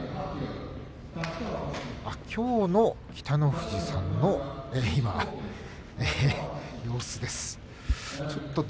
きょうの北の富士さんの様子です。